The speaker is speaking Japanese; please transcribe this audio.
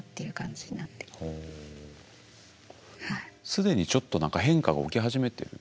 既にちょっと何か変化が起き始めてる？